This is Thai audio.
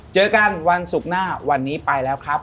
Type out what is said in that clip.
เจอกันวันศุกร์หน้าวันนี้ไปแล้วครับ